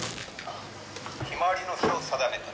「“ひまわりの日”を定めてね